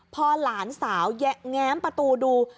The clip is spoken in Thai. พอหลานสาวแง้มประตูดู